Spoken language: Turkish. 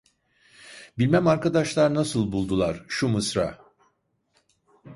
Bilmem arkadaşlar nasıl buldular, şu mısra: